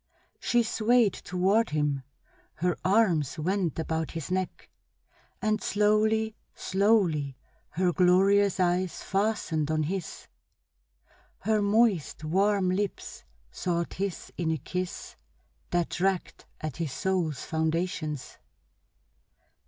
She swayed toward him, her arms went about his neck, and slowly, slowly her glorious eyes fastened on his, her moist, warm lips sought his in a kiss that dragged at his soul's foundations.